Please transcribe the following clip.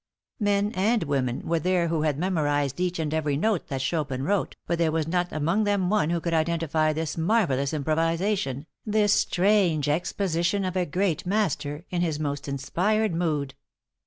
Men and women were there who had memorized each and every note that Chopin wrote, but there was not among them one who could identify this marvelous improvisation, this strange exposition of a great master in his most inspired mood.